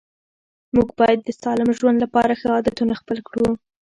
موږ باید د سالم ژوند لپاره ښه عادتونه خپل کړو